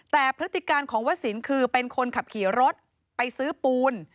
แต่พฤติการของวสินคือเป็นคนขับขี่รถไปซื้อปูน